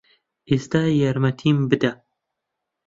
ئێستا یارمەتیم بدە.